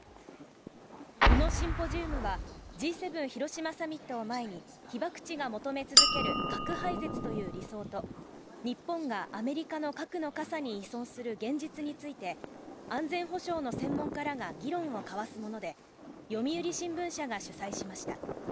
このシンポジウムは、Ｇ７広島サミットを前に、被爆地が求め続ける核廃絶という理想と、日本がアメリカの核の傘に依存する現実について、安全保障の専門家らが議論を交わすもので、読売新聞社が主催しました。